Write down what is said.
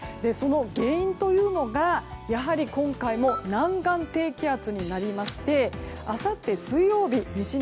その原因というのがやはり今回も南岸低気圧になりましてあさって水曜日西